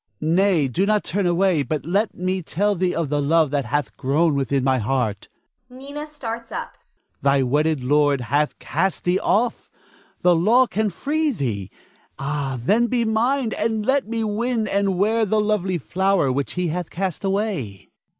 Nay, do not turn away, but let me tell thee of the love that hath grown within my heart. [Nina starts up.] Thy wedded lord hath cast thee off. The law can free thee. Ah, then be mine, and let me win and wear the lovely flower which he hath cast away.